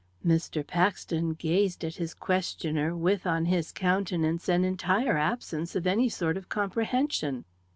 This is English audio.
Mr. Paxton gazed at his questioner with, on his countenance, an entire absence of any sort of comprehension.